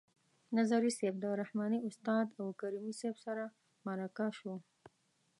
نظري صیب د رحماني استاد او کریمي صیب سره مرکه شو.